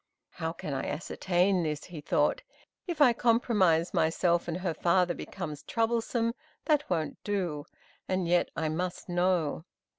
"How can I ascertain this?" he thought. "If I compromise myself, and her father becomes troublesome, that won't do; but yet I must know."